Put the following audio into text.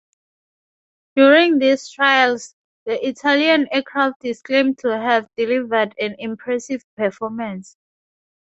During these trials, the Italian aircraft is claimed to have delivered an impressive performance.